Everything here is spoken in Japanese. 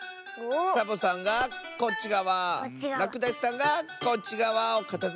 サボさんがこっちがわらくだしさんがこっちがわをかたづけるんだね。